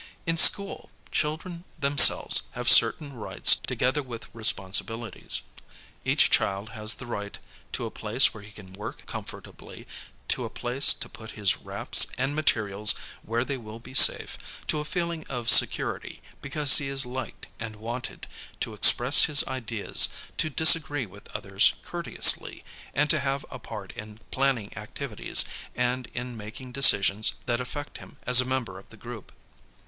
In school, children themselves have certain rights together with responsi bilities. Each child has the right to a place where he can work comfortably, to a place to put his wraps and materials where they will be safe, to a feeling of security because he is liked and wanted, to express his ideas, to disagree with others courteously, and to have a part in planning activities and in making decisions that affect him as a member of the group.